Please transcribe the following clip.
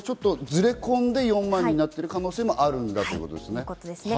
ズレ込んで４万人になってる可能性もあるんだということですね。